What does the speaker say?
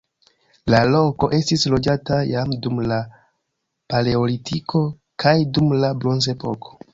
La loko estis loĝata jam dum la paleolitiko kaj dum la bronzepoko.